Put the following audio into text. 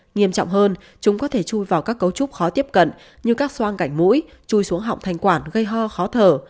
nghiêm trọng hơn chúng có thể chui vào các cấu trúc khó tiếp cận như các xoang gạch mũi chui xuống họng thanh quản gây ho khó thở